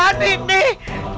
gua kan pemberani nih